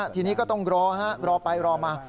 ทีนี้ก็ต้องรอรอไปรอมา